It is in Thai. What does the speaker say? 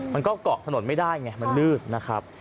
มันก็เกาะถนนไม่ได้ไงมันลืดนะครับ